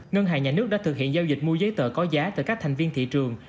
ngân hàng nhà nước đã thực hiện giao dịch mua giấy tờ có giá từ các thành viên thị trường